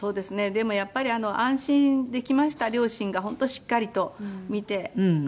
でもやっぱり安心できました両親が本当しっかりと見てくれてましたから。